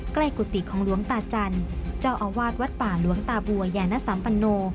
กุฏิของหลวงตาจันทร์เจ้าอาวาสวัดป่าหลวงตาบัวยานสัมปโน